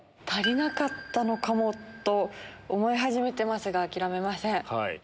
足りなかったのかもと思い始めてますが諦めません。